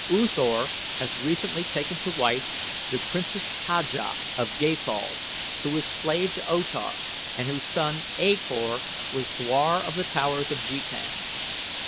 U Thor has recently taken to wife the Princess Haja of Gathol, who was slave to O Tar and whose son, A Kor, was dwar of The Towers of Jetan.